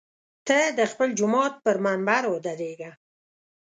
ته د خپل جومات پر منبر ودرېږه.